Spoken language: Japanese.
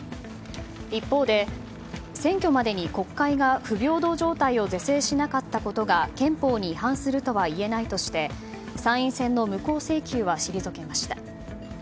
一方で、選挙までに国会が不平等状態を是正しなかったことが憲法に違反するとは言えないとして参院選の無効請求は退けました。